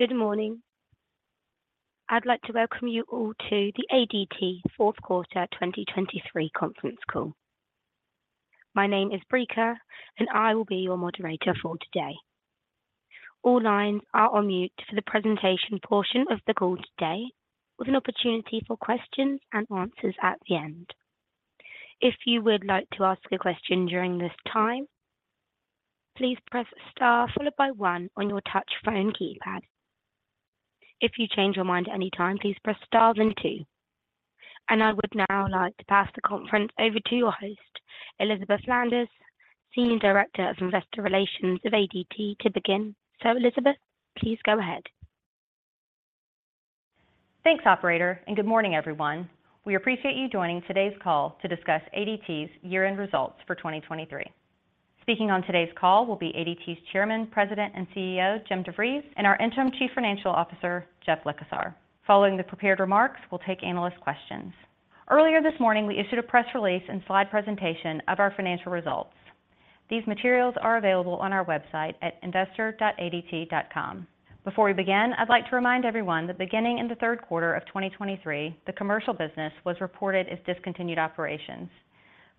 Good morning. I'd like to welcome you all to the ADT Fourth Quarter 2023 Conference Call. My name is Breka, and I will be your moderator for today. All lines are on mute for the presentation portion of the call today, with an opportunity for questions and answers at the end. If you would like to ask a question during this time, please press star followed by one on your touch-phone keypad. If you change your mind at any time, please press star then two. I would now like to pass the conference over to your host, Elizabeth Landers, Senior Director of Investor Relations of ADT, to begin. Elizabeth, please go ahead. Thanks, Operator, and good morning, everyone. We appreciate you joining today's call to discuss ADT's Year-End Results for 2023. Speaking on today's call will be ADT's Chairman, President, and CEO, Jim DeVries, and our Interim Chief Financial Officer, Jeff Likosar. Following the prepared remarks, we'll take analyst questions. Earlier this morning we issued a press release and slide presentation of our financial results. These materials are available on our website at investor.adt.com. Before we begin, I'd like to remind everyone that beginning in the third quarter of 2023, the commercial business was reported as discontinued operations.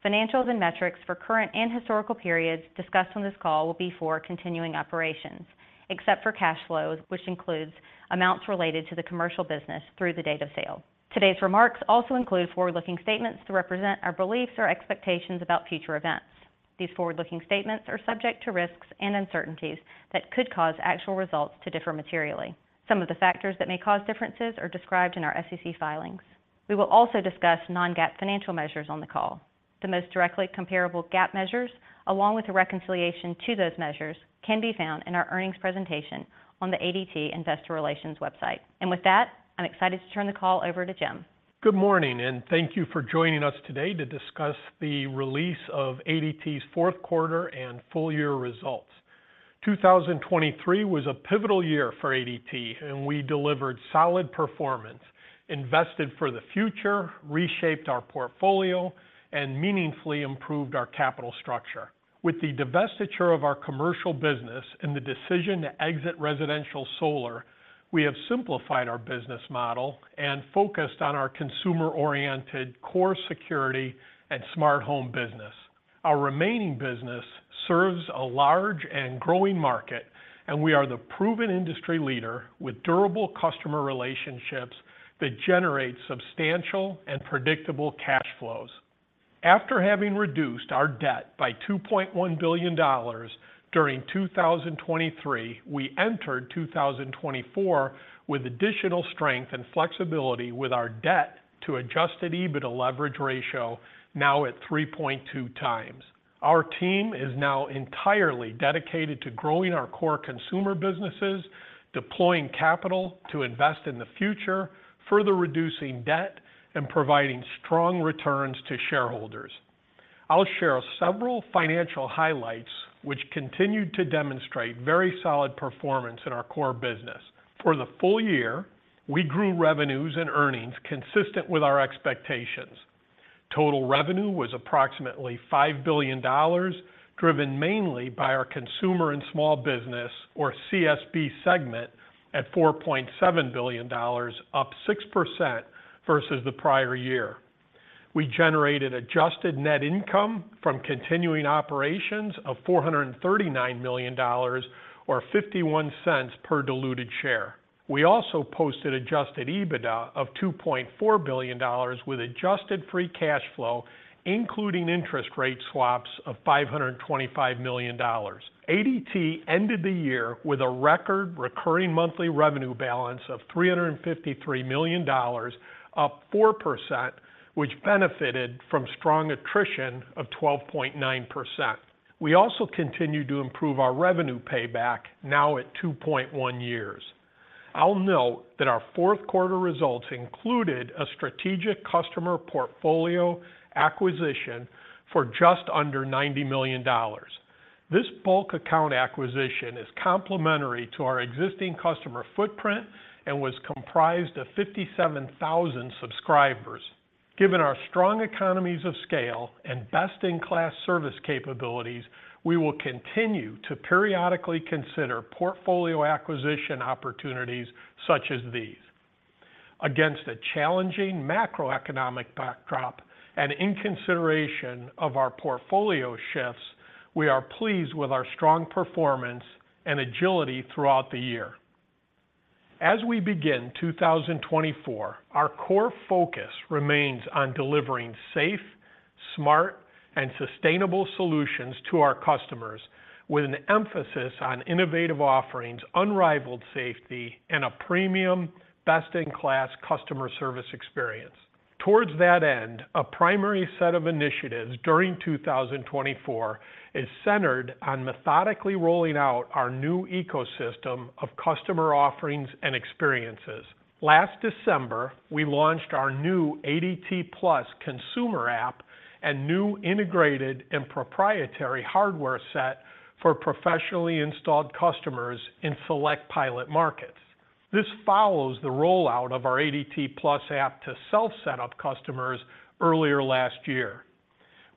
Financials and metrics for current and historical periods discussed on this call will be for continuing operations, except for cash flows, which includes amounts related to the commercial business through the date of sale. Today's remarks also include forward-looking statements to represent our beliefs or expectations about future events. These forward-looking statements are subject to risks and uncertainties that could cause actual results to differ materially. Some of the factors that may cause differences are described in our SEC filings. We will also discuss non-GAAP financial measures on the call. The most directly comparable GAAP measures, along with a reconciliation to those measures, can be found in our earnings presentation on the ADT Investor Relations website. With that, I'm excited to turn the call over to Jim. Good morning, and thank you for joining us today to discuss the release of ADT's fourth quarter and full-year results. 2023 was a pivotal year for ADT, and we delivered solid performance, invested for the future, reshaped our portfolio, and meaningfully improved our capital structure. With the divestiture of our commercial business and the decision to exit residential solar, we have simplified our business model and focused on our consumer-oriented core security and smart home business. Our remaining business serves a large and growing market, and we are the proven industry leader with durable customer relationships that generate substantial and predictable cash flows. After having reduced our debt by $2.1 billion during 2023, we entered 2024 with additional strength and flexibility with our debt-to-Adjusted EBITDA leverage ratio now at 3.2x. Our team is now entirely dedicated to growing our core consumer businesses, deploying capital to invest in the future, further reducing debt, and providing strong returns to shareholders. I'll share several financial highlights which continue to demonstrate very solid performance in our core business. For the full year, we grew revenues and earnings consistent with our expectations. Total revenue was approximately $5 billion, driven mainly by our consumer and small business, or CSB segment at $4.7 billion, up 6% versus the prior year. We generated Adjusted Net Income from continuing operations of $439 million or $0.51 per diluted share. We also posted Adjusted EBITDA of $2.4 billion with Adjusted Free Cash Flow, including interest rate swaps of $525 million. ADT ended the year with a record Recurring Monthly Revenue balance of $353 million, up 4%, which benefited from strong attrition of 12.9%. We also continue to improve our revenue payback, now at 2.1 years. I'll note that our fourth quarter results included a strategic customer portfolio acquisition for just under $90 million. This bulk account acquisition is complementary to our existing customer footprint and was comprised of 57,000 subscribers. Given our strong economies of scale and best-in-class service capabilities, we will continue to periodically consider portfolio acquisition opportunities such as these. Against a challenging macroeconomic backdrop and in consideration of our portfolio shifts, we are pleased with our strong performance and agility throughout the year. As we begin 2024, our core focus remains on delivering safe, smart, and sustainable solutions to our customers, with an emphasis on innovative offerings, unrivaled safety, and a premium, best-in-class customer service experience. Towards that end, a primary set of initiatives during 2024 is centered on methodically rolling out our new ecosystem of customer offerings and experiences. Last December, we launched our new ADT+ consumer app and new integrated and proprietary hardware set for professionally installed customers in select pilot markets. This follows the rollout of our ADT+ app to self-setup customers earlier last year.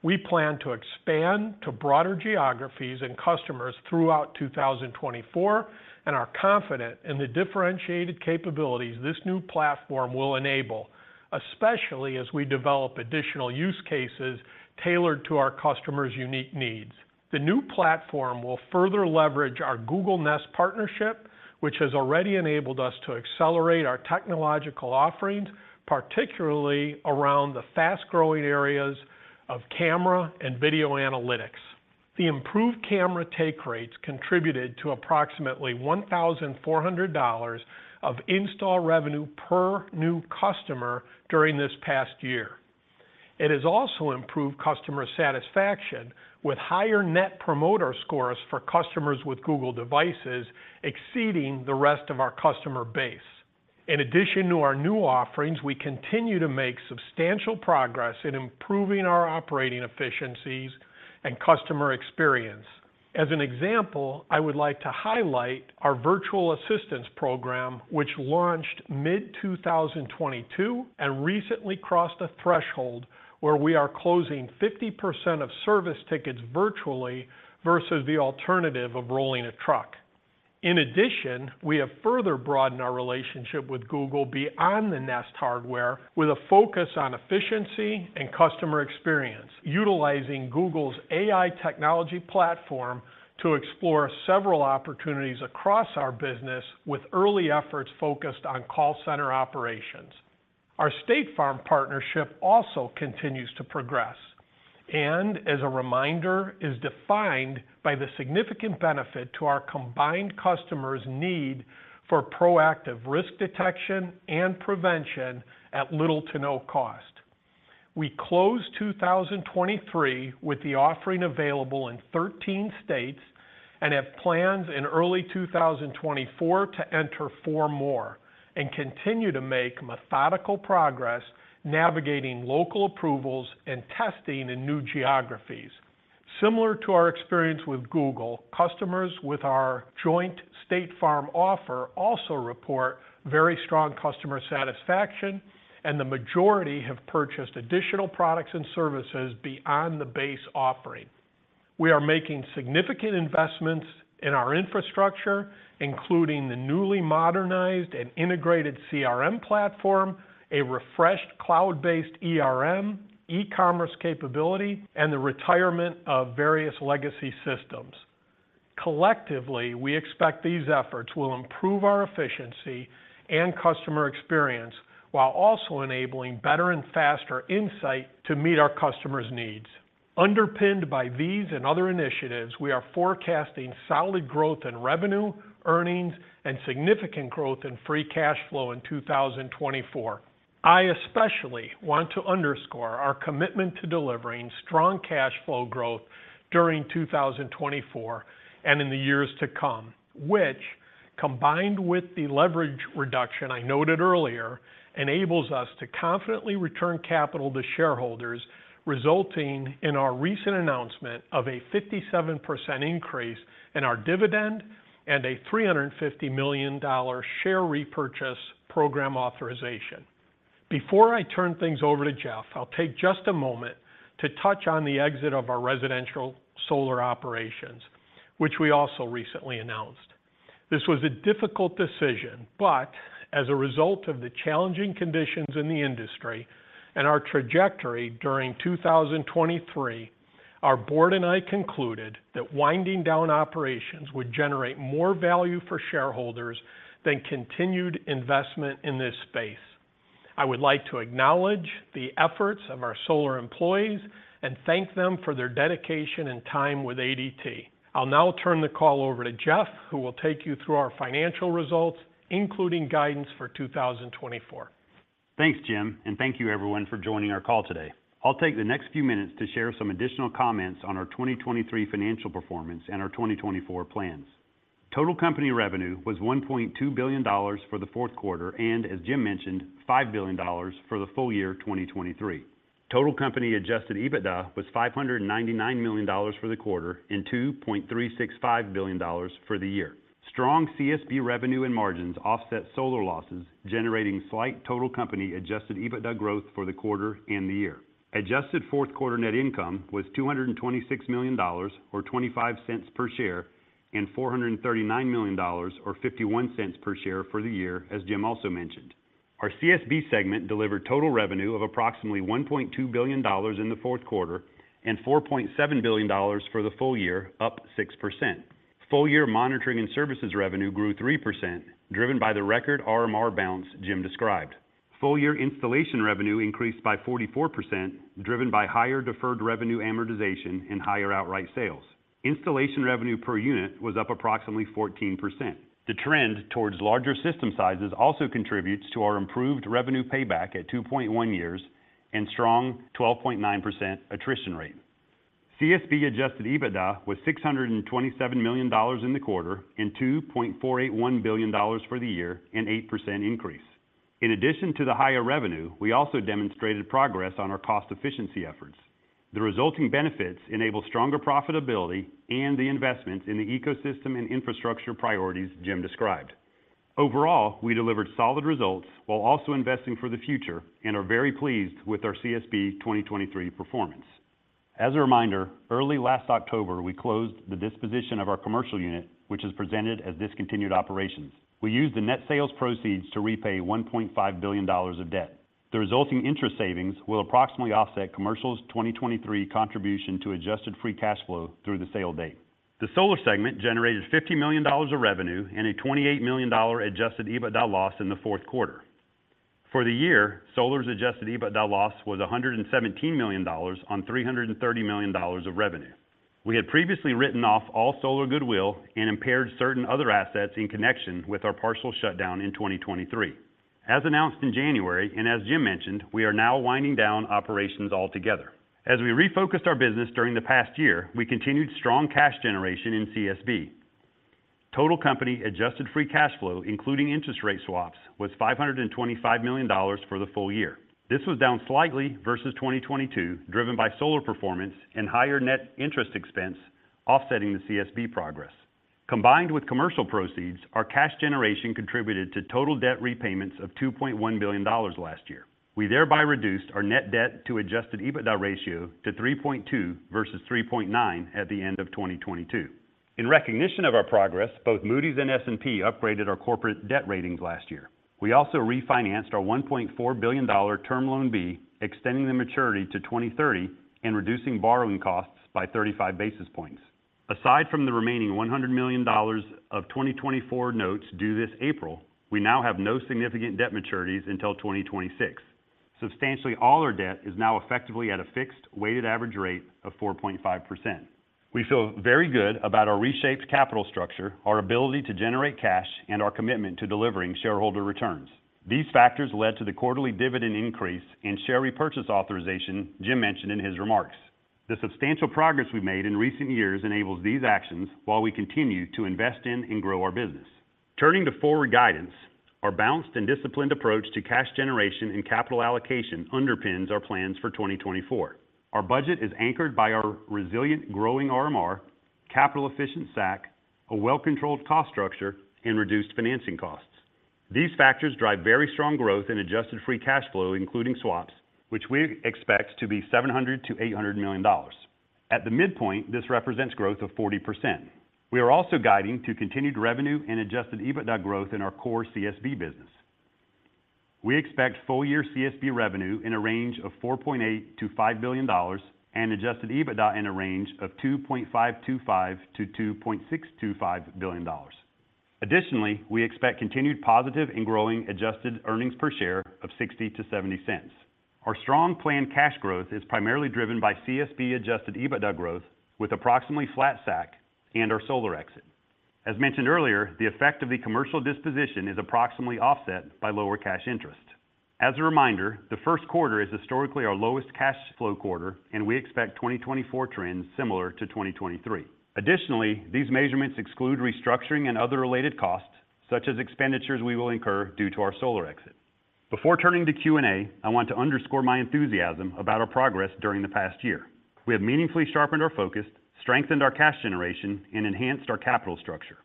We plan to expand to broader geographies and customers throughout 2024, and are confident in the differentiated capabilities this new platform will enable, especially as we develop additional use cases tailored to our customers' unique needs. The new platform will further leverage our Google Nest partnership, which has already enabled us to accelerate our technological offerings, particularly around the fast-growing areas of camera and video analytics. The improved camera take rates contributed to approximately $1,400 of install revenue per new customer during this past year. It has also improved customer satisfaction, with higher Net Promoter Scores for customers with Google devices exceeding the rest of our customer base. In addition to our new offerings, we continue to make substantial progress in improving our operating efficiencies and customer experience. As an example, I would like to highlight our virtual assistance program, which launched mid-2022 and recently crossed a threshold where we are closing 50% of service tickets virtually versus the alternative of rolling a truck. In addition, we have further broadened our relationship with Google beyond the Nest hardware, with a focus on efficiency and customer experience, utilizing Google's AI technology platform to explore several opportunities across our business with early efforts focused on call center operations. Our State Farm partnership also continues to progress and, as a reminder, is defined by the significant benefit to our combined customers' need for proactive risk detection and prevention at little to no cost. We closed 2023 with the offering available in 13 states and have plans in early 2024 to enter four more and continue to make methodical progress navigating local approvals and testing in new geographies. Similar to our experience with Google, customers with our joint State Farm offer also report very strong customer satisfaction, and the majority have purchased additional products and services beyond the base offering. We are making significant investments in our infrastructure, including the newly modernized and integrated CRM platform, a refreshed cloud-based e-commerce capability, and the retirement of various legacy systems. Collectively, we expect these efforts will improve our efficiency and customer experience while also enabling better and faster insight to meet our customers' needs. Underpinned by these and other initiatives, we are forecasting solid growth in revenue, earnings, and significant growth in free cash flow in 2024. I especially want to underscore our commitment to delivering strong cash flow growth during 2024 and in the years to come, which, combined with the leverage reduction I noted earlier, enables us to confidently return capital to shareholders, resulting in our recent announcement of a 57% increase in our dividend and a $350 million share repurchase program authorization. Before I turn things over to Jeff, I'll take just a moment to touch on the exit of our residential solar operations, which we also recently announced. This was a difficult decision, but as a result of the challenging conditions in the industry and our trajectory during 2023, our board and I concluded that winding down operations would generate more value for shareholders than continued investment in this space. I would like to acknowledge the efforts of our solar employees and thank them for their dedication and time with ADT. I'll now turn the call over to Jeff, who will take you through our financial results, including guidance for 2024. Thanks, Jim, and thank you, everyone, for joining our call today. I'll take the next few minutes to share some additional comments on our 2023 financial performance and our 2024 plans. Total company revenue was $1.2 billion for the fourth quarter and, as Jim mentioned, $5 billion for the full year 2023. Total company adjusted EBITDA was $599 million for the quarter and $2.365 billion for the year. Strong CSB revenue and margins offset solar losses, generating slight total company adjusted EBITDA growth for the quarter and the year. Adjusted fourth quarter net income was $226 million or $0.25 per share and $439 million or $0.51 per share for the year, as Jim also mentioned. Our CSB segment delivered total revenue of approximately $1.2 billion in the fourth quarter and $4.7 billion for the full year, up 6%. Full-year monitoring and services revenue grew 3%, driven by the record RMR balance Jim described. Full-year installation revenue increased by 44%, driven by higher deferred revenue amortization and higher outright sales. Installation revenue per unit was up approximately 14%. The trend towards larger system sizes also contributes to our improved revenue payback at 2.1 years and strong 12.9% attrition rate. CSB Adjusted EBITDA was $627 million in the quarter and $2.481 billion for the year, an 8% increase. In addition to the higher revenue, we also demonstrated progress on our cost efficiency efforts. The resulting benefits enable stronger profitability and the investments in the ecosystem and infrastructure priorities Jim described. Overall, we delivered solid results while also investing for the future and are very pleased with our CSB 2023 performance. As a reminder, early last October, we closed the disposition of our commercial unit, which is presented as discontinued operations. We used the net sales proceeds to repay $1.5 billion of debt. The resulting interest savings will approximately offset commercial's 2023 contribution to Adjusted Free Cash Flow through the sale date. The solar segment generated $50 million of revenue and a $28 million Adjusted EBITDA loss in the fourth quarter. For the year, solar's Adjusted EBITDA loss was $117 million on $330 million of revenue. We had previously written off all solar goodwill and impaired certain other assets in connection with our partial shutdown in 2023. As announced in January and as Jim mentioned, we are now winding down operations altogether. As we refocused our business during the past year, we continued strong cash generation in CSB. Total company Adjusted Free Cash Flow, including interest rate swaps, was $525 million for the full year. This was down slightly versus 2022, driven by solar performance and higher net interest expense offsetting the CSB progress. Combined with commercial proceeds, our cash generation contributed to total debt repayments of $2.1 billion last year. We thereby reduced our net debt-to-adjusted EBITDA ratio to 3.2 versus 3.9 at the end of 2022. In recognition of our progress, both Moody's and S&P upgraded our corporate debt ratings last year. We also refinanced our $1.4 billion Term Loan B, extending the maturity to 2030 and reducing borrowing costs by 35 basis points. Aside from the remaining $100 million of 2024 notes due this April, we now have no significant debt maturities until 2026. Substantially, all our debt is now effectively at a fixed, weighted average rate of 4.5%. We feel very good about our reshaped capital structure, our ability to generate cash, and our commitment to delivering shareholder returns. These factors led to the quarterly dividend increase and share repurchase authorization Jim mentioned in his remarks. The substantial progress we've made in recent years enables these actions while we continue to invest in and grow our business. Turning to forward guidance, our balanced and disciplined approach to cash generation and capital allocation underpins our plans for 2024. Our budget is anchored by our resilient, growing RMR, capital-efficient SAC, a well-controlled cost structure, and reduced financing costs. These factors drive very strong growth in adjusted free cash flow, including swaps, which we expect to be $700-$800 million. At the midpoint, this represents growth of 40%. We are also guiding to continued revenue and adjusted EBITDA growth in our core CSB business. We expect full-year CSB revenue in a range of $4.8-$5 billion and adjusted EBITDA in a range of $2.525-$2.625 billion. Additionally, we expect continued positive and growing Adjusted Earnings Per Share of $0.60-$0.70. Our strong planned cash growth is primarily driven by CSB Adjusted EBITDA growth, with approximately flat SAC, and our solar exit. As mentioned earlier, the effect of the commercial disposition is approximately offset by lower cash interest. As a reminder, the first quarter is historically our lowest cash flow quarter, and we expect 2024 trends similar to 2023. Additionally, these measurements exclude restructuring and other related costs, such as expenditures we will incur due to our solar exit. Before turning to Q&A, I want to underscore my enthusiasm about our progress during the past year. We have meaningfully sharpened our focus, strengthened our cash generation, and enhanced our capital structure.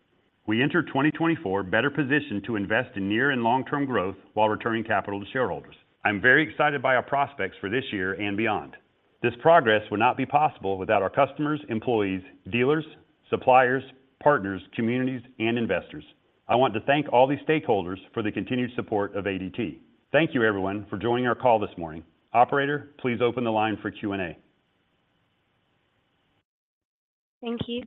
We entered 2024 better positioned to invest in near and long-term growth while returning capital to shareholders. I'm very excited by our prospects for this year and beyond. This progress would not be possible without our customers, employees, dealers, suppliers, partners, communities, and investors. I want to thank all these stakeholders for the continued support of ADT. Thank you, everyone, for joining our call this morning. Operator, please open the line for Q&A. Thank you.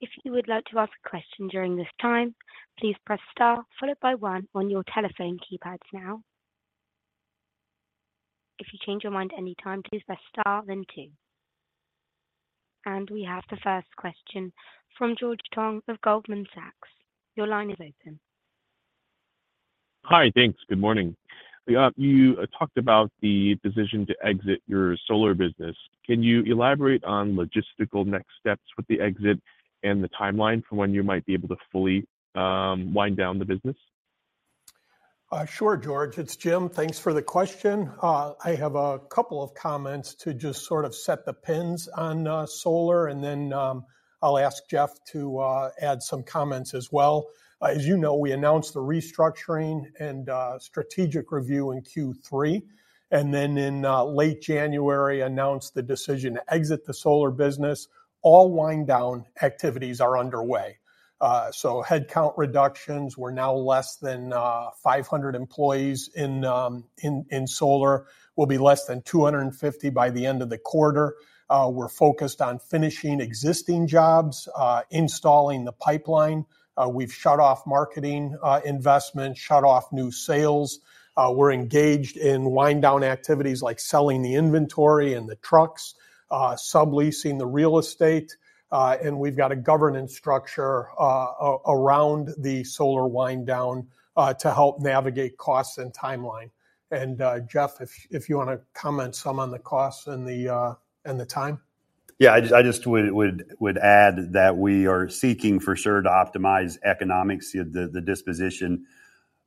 If you would like to ask a question during this time, please press star, followed by one on your telephone keypads now. If you change your mind at any time, please press star, then two. We have the first question from George Tong of Goldman Sachs. Your line is open. Hi, thanks. Good morning. You talked about the decision to exit your solar business. Can you elaborate on logistical next steps with the exit and the timeline for when you might be able to fully wind down the business? Sure, George. It's Jim. Thanks for the question. I have a couple of comments to just sort of set the pins on solar, and then I'll ask Jeff to add some comments as well. As you know, we announced the restructuring and strategic review in Q3, and then in late January, announced the decision to exit the solar business. All wind-down activities are underway. So headcount reductions, we're now less than 500 employees in solar. We'll be less than 250 by the end of the quarter. We're focused on finishing existing jobs, installing the pipeline. We've shut off marketing investments, shut off new sales. We're engaged in wind-down activities like selling the inventory and the trucks, subleasing the real estate, and we've got a governance structure around the solar wind-down to help navigate costs and timeline. And Jeff, if you want to comment some on the costs and the time. Yeah, I just would add that we are seeking for sure to optimize economics, the disposition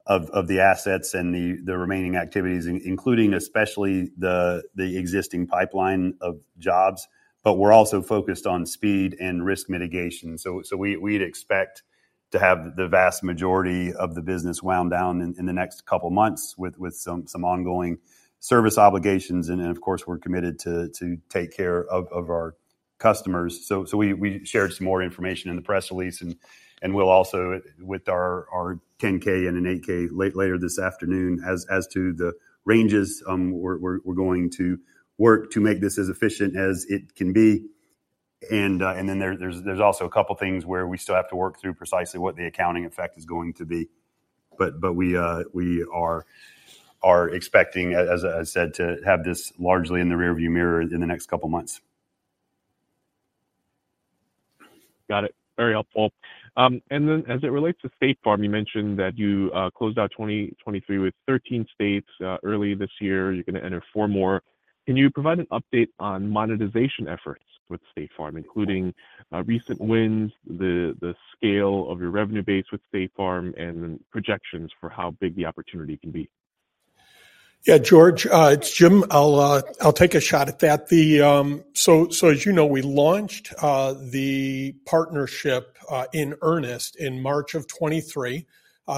of the assets and the remaining activities, including especially the existing pipeline of jobs. But we're also focused on speed and risk mitigation. So we'd expect to have the vast majority of the business wound down in the next couple of months with some ongoing service obligations. And of course, we're committed to take care of our customers. So we shared some more information in the press release, and we'll also, with our 10-K and an 8-K later this afternoon, as to the ranges, we're going to work to make this as efficient as it can be. And then there's also a couple of things where we still have to work through precisely what the accounting effect is going to be. But we are expecting, as I said, to have this largely in the rearview mirror in the next couple of months. Got it. Very helpful. And then as it relates to State Farm, you mentioned that you closed out 2023 with 13 states early this year. You're going to enter four more. Can you provide an update on monetization efforts with State Farm, including recent wins, the scale of your revenue base with State Farm, and then projections for how big the opportunity can be? Yeah, George. It's Jim. I'll take a shot at that. So as you know, we launched the partnership in earnest in March 2023.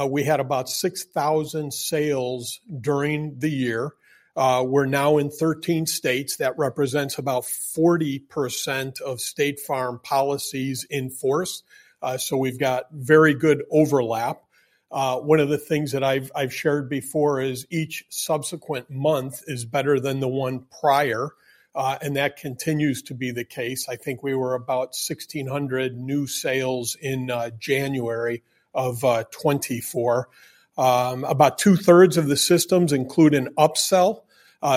We had about 6,000 sales during the year. We're now in 13 states. That represents about 40% of State Farm policies in force. So we've got very good overlap. One of the things that I've shared before is each subsequent month is better than the one prior, and that continues to be the case. I think we were about 1,600 new sales in January 2024. About two-thirds of the systems include an upsell.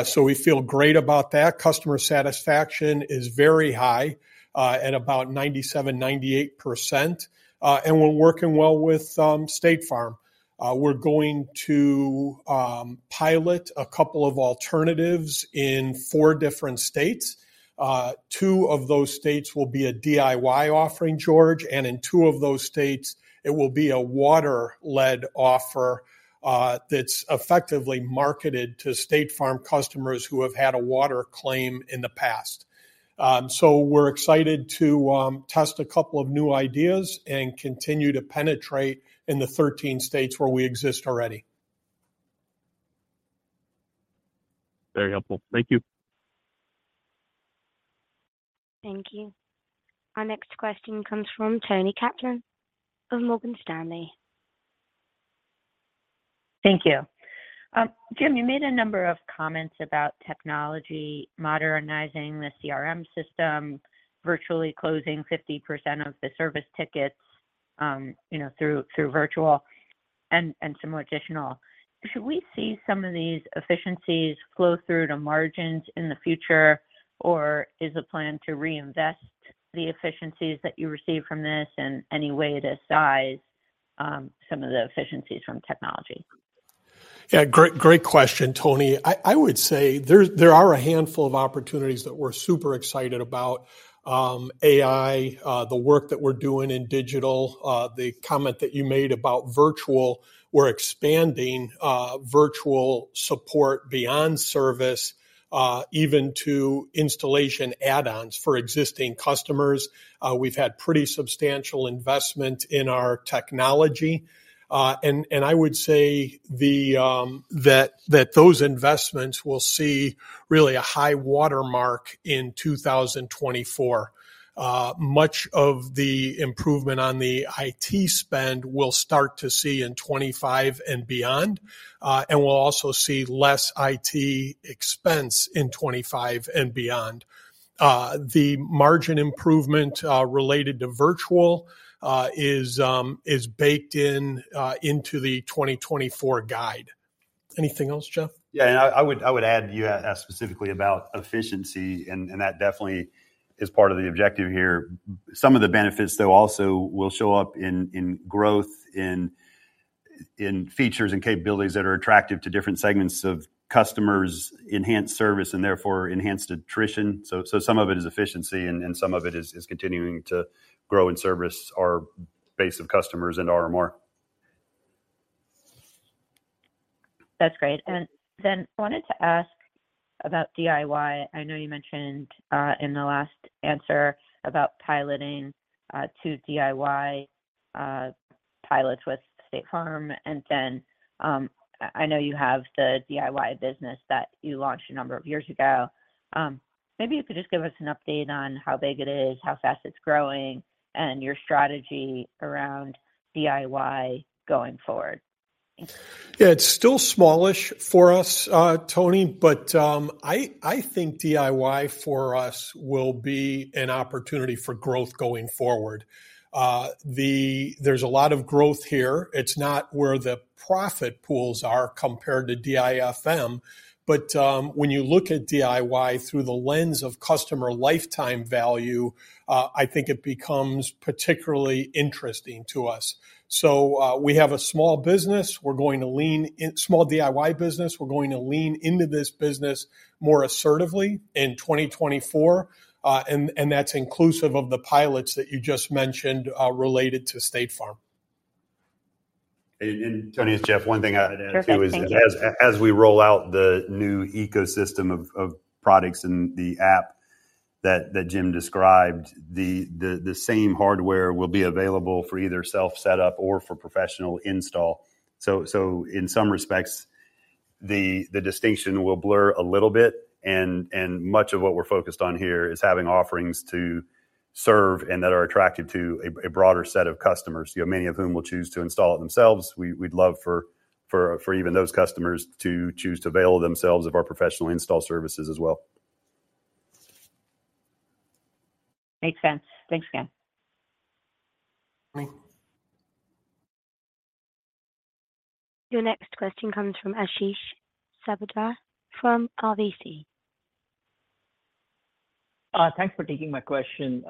So we feel great about that. Customer satisfaction is very high at about 97%-98%. And we're working well with State Farm. We're going to pilot a couple of alternatives in four different states. Two of those states will be a DIY offering, George, and in two of those states, it will be a water-led offer that's effectively marketed to State Farm customers who have had a water claim in the past. So we're excited to test a couple of new ideas and continue to penetrate in the 13 states where we exist already. Very helpful. Thank you. Thank you. Our next question comes from Toni Kaplan of Morgan Stanley. Thank you. Jim, you made a number of comments about technology, modernizing the CRM system, virtually closing 50% of the service tickets through virtual, and some additional. Should we see some of these efficiencies flow through to margins in the future, or is the plan to reinvest the efficiencies that you receive from this in any way to size some of the efficiencies from technology? Yeah, great question, Toni. I would say there are a handful of opportunities that we're super excited about: AI, the work that we're doing in digital, the comment that you made about virtual. We're expanding virtual support beyond service, even to installation add-ons for existing customers. We've had pretty substantial investment in our technology. And I would say that those investments will see really a high watermark in 2024. Much of the improvement on the IT spend we'll start to see in 2025 and beyond, and we'll also see less IT expense in 2025 and beyond. The margin improvement related to virtual is baked into the 2024 guide. Anything else, Jeff? Yeah, and I would add you asked specifically about efficiency, and that definitely is part of the objective here. Some of the benefits, though, also will show up in growth in features and capabilities that are attractive to different segments of customers, enhanced service, and therefore enhanced attrition. So some of it is efficiency, and some of it is continuing to grow and service our base of customers and RMR. That's great. Then I wanted to ask about DIY. I know you mentioned in the last answer about piloting two DIY pilots with State Farm, and then I know you have the DIY business that you launched a number of years ago. Maybe you could just give us an update on how big it is, how fast it's growing, and your strategy around DIY going forward? Yeah, it's still smallish for us, Toni, but I think DIY for us will be an opportunity for growth going forward. There's a lot of growth here. It's not where the profit pools are compared to DIFM. But when you look at DIY through the lens of customer lifetime value, I think it becomes particularly interesting to us. So we have a small business. We're going to lean small DIY business. We're going to lean into this business more assertively in 2024, and that's inclusive of the pilots that you just mentioned related to State Farm. Toni and Jeff, one thing I'd add too is as we roll out the new ecosystem of products and the app that Jim described, the same hardware will be available for either self-setup or for professional install. So in some respects, the distinction will blur a little bit, and much of what we're focused on here is having offerings to serve and that are attractive to a broader set of customers, many of whom will choose to install it themselves. We'd love for even those customers to choose to avail themselves of our professional install services as well. Makes sense. Thanks again. Your next question comes from Ashish Sabadra from RBC. Thanks for taking my question.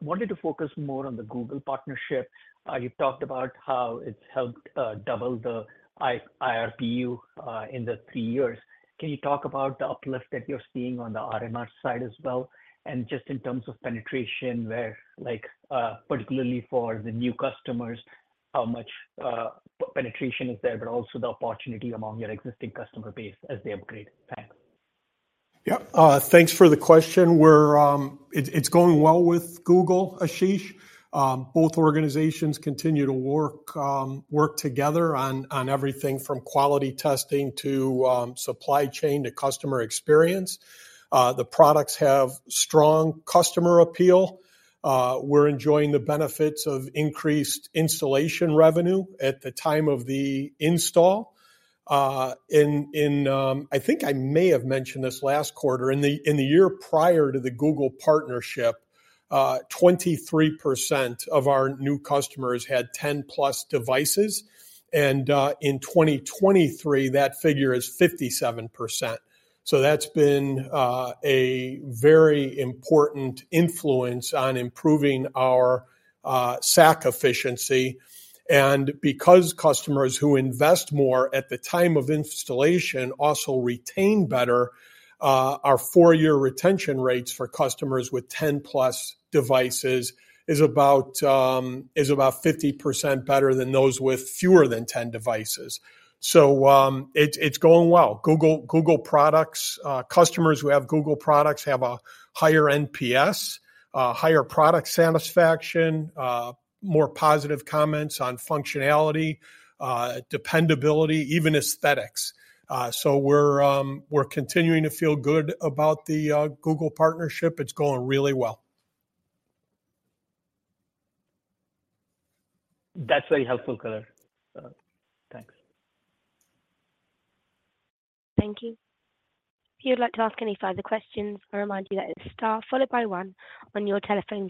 Wanted to focus more on the Google partnership. You've talked about how it's helped double the IRPU in the three years. Can you talk about the uplift that you're seeing on the RMR side as well, and just in terms of penetration, particularly for the new customers, how much penetration is there, but also the opportunity among your existing customer base as they upgrade? Thanks. Yep. Thanks for the question. It's going well with Google, Ashish. Both organizations continue to work together on everything from quality testing to supply chain to customer experience. The products have strong customer appeal. We're enjoying the benefits of increased installation revenue at the time of the install. I think I may have mentioned this last quarter. In the year prior to the Google partnership, 23% of our new customers had 10+ devices. And in 2023, that figure is 57%. So that's been a very important influence on improving our SAC efficiency. And because customers who invest more at the time of installation also retain better, our four-year retention rates for customers with 10+ devices is about 50% better than those with fewer than 10 devices. So it's going well. Google products, customers who have Google products have a higher NPS, higher product satisfaction, more positive comments on functionality, dependability, even aesthetics. So we're continuing to feel good about the Google partnership. It's going really well. That's very helpful, Color. Thanks. Thank you. If you'd like to ask any further questions, I remind you that it's star followed by one on your telephone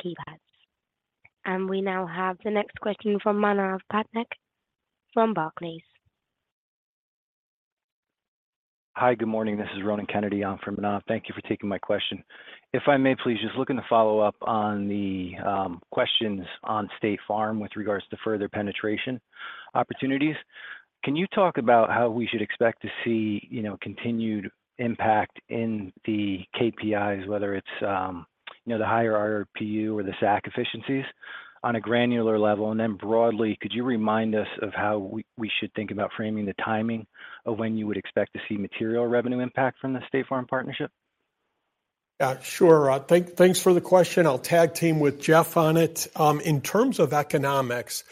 keypads. We now have the next question from Manav Patnaik from Barclays. Hi, good morning. This is Ronan Kennedy. I'm from Manav. Thank you for taking my question. If I may, please, just looking to follow up on the questions on State Farm with regards to further penetration opportunities. Can you talk about how we should expect to see continued impact in the KPIs, whether it's the higher IRPU or the SAC efficiencies on a granular level? And then broadly, could you remind us of how we should think about framing the timing of when you would expect to see material revenue impact from the State Farm partnership? Sure. Thanks for the question. I'll tag team with Jeff on it. In terms of economics,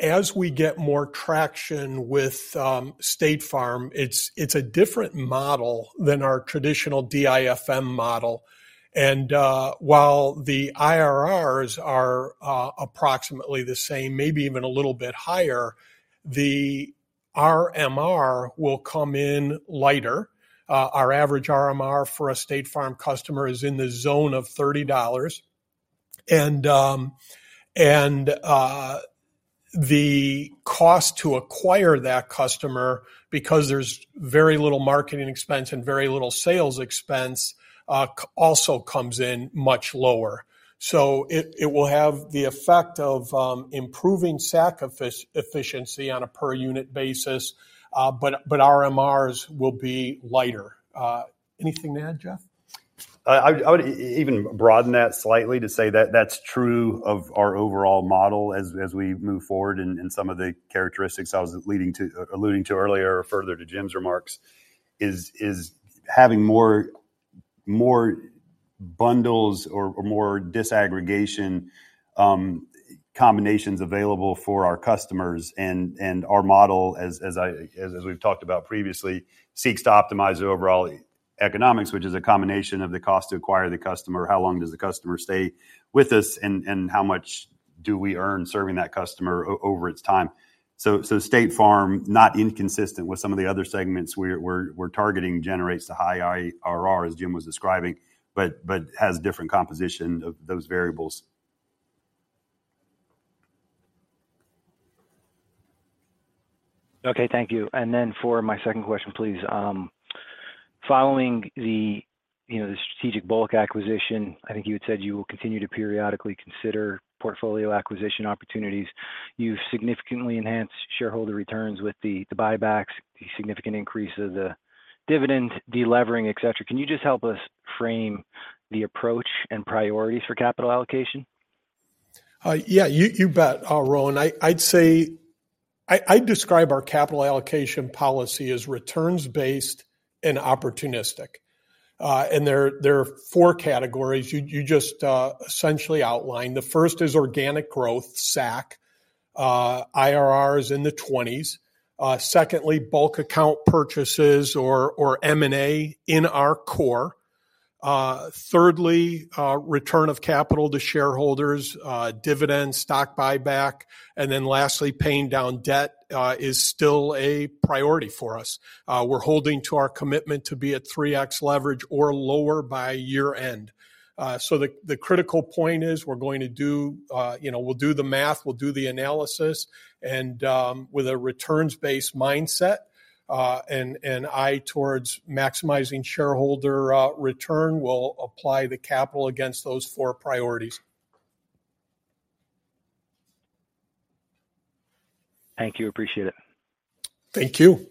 as we get more traction with State Farm, it's a different model than our traditional DIFM model. And while the IRRs are approximately the same, maybe even a little bit higher, the RMR will come in lighter. Our average RMR for a State Farm customer is in the zone of $30. And the cost to acquire that customer, because there's very little marketing expense and very little sales expense, also comes in much lower. So it will have the effect of improving SAC efficiency on a per-unit basis, but RMRs will be lighter. Anything to add, Jeff? I would even broaden that slightly to say that that's true of our overall model as we move forward. Some of the characteristics I was alluding to earlier, further to Jim's remarks, is having more bundles or more disaggregation combinations available for our customers. Our model, as we've talked about previously, seeks to optimize overall economics, which is a combination of the cost to acquire the customer, how long does the customer stay with us, and how much do we earn serving that customer over its time. State Farm, not inconsistent with some of the other segments we're targeting, generates a high IRR, as Jim was describing, but has different composition of those variables. Okay, thank you. And then for my second question, please. Following the strategic bulk acquisition, I think you had said you will continue to periodically consider portfolio acquisition opportunities. You've significantly enhanced shareholder returns with the buybacks, the significant increase of the dividend, delevering, etc. Can you just help us frame the approach and priorities for capital allocation? Yeah, you bet, Ron. I'd describe our capital allocation policy as returns-based and opportunistic. There are four categories you just essentially outlined. The first is organic growth, SAC, IRRs in the 20s. Secondly, bulk account purchases or M&A in our core. Thirdly, return of capital to shareholders, dividends, stock buyback, and then lastly, paying down debt is still a priority for us. We're holding to our commitment to be at 3X leverage or lower by year-end. The critical point is we're going to do. We'll do the math, we'll do the analysis, and with a returns-based mindset, an eye towards maximizing shareholder return, we'll apply the capital against those four priorities. Thank you. Appreciate it. Thank you.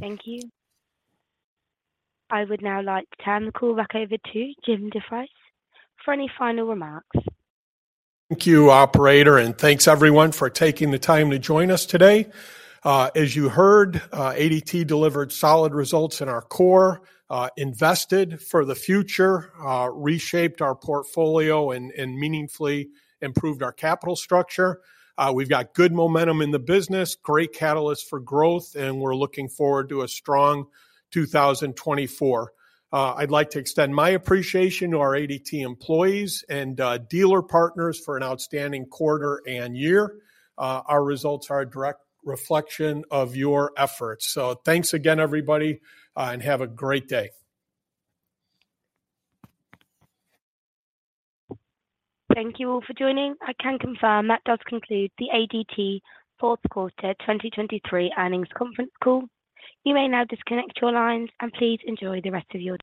Thank you. I would now like to turn the call back over to Jim DeVries for any final remarks. Thank you, operator, and thanks, everyone, for taking the time to join us today. As you heard, ADT delivered solid results in our core, invested for the future, reshaped our portfolio, and meaningfully improved our capital structure. We've got good momentum in the business, great catalysts for growth, and we're looking forward to a strong 2024. I'd like to extend my appreciation to our ADT employees and dealer partners for an outstanding quarter and year. Our results are a direct reflection of your efforts. So thanks again, everybody, and have a great day. Thank you all for joining. I can confirm that does conclude the ADT fourth quarter 2023 earnings conference call. You may now disconnect your lines, and please enjoy the rest of your.